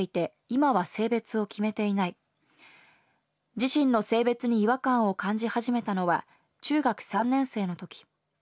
自身の性別に違和感を感じ始めたのは中学３年生のとき。